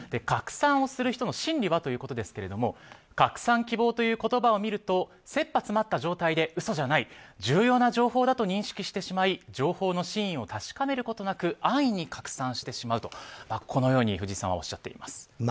拡散をする人の心理はということですが拡散希望という言葉を見ると切羽詰まった状態で嘘じゃない重要な情報だと認識してしまい情報の真意を確かめることなく安易に拡散してしまうとこのように藤井さんはおっしゃっています。